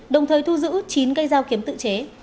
đồng thời thu giữ chín cây dao kiếm tự chế